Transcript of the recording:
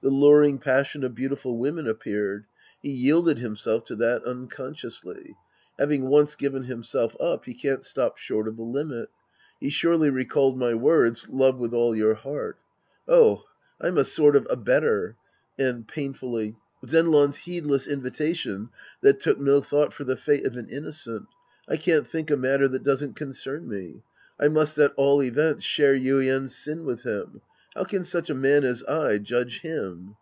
The luring passion of beautiful women appear ed. He yielded liimself to that unconsciously. Having once given himself up, he can't stop short of the limit. He surely re'called my words, " Love with all your heart." Oh, I'm a sort of abettor. And {painfully) Zenran's heedless invitation that took no thought for the fate of an innocent, I can't think a matter that doesn't concern me. I must at all events share Yuien's sin with him. How can such a man as I judge him